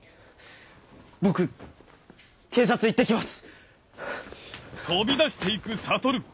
僕警察行って来ます！